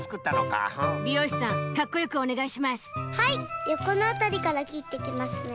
はいよこのあたりからきっていきますね。